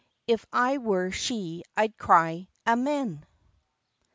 If I were she I ' d cry , "Amen!"